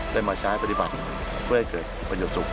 ได้มาใช้ปฏิบัติเพื่อเกิดประโยชน์จุกต์